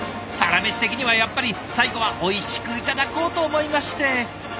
「サラメシ」的にはやっぱり最後はおいしく頂こうと思いまして。